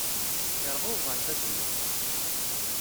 Yerɣa uɣerbaz-nneɣ.